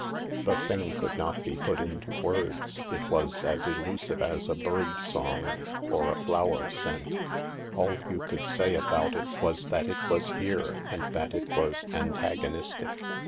The thing could not be put into words. It was as elusive as a bird's song or a flower scent. All you could say about it 252 THE LARK was that it was here, and that it was antagonistic.